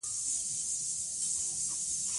احمدشاه بابا د هیواد د آزادی لپاره قربانۍ ورکړي.